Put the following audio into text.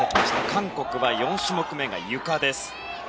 韓国は４種目めが、ゆかです。